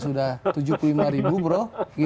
sudah tujuh puluh lima ribu bro